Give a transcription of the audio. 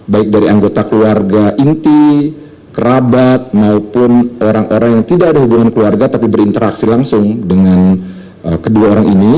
baik dari anggota keluarga inti kerabat maupun orang orang yang tidak ada hubungan keluarga tapi berinteraksi langsung dengan kedua orang ini